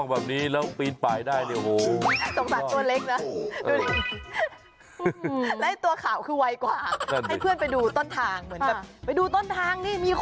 ไม่มีพอหันไปบอกเพื่อนเฮ้ยไม่มี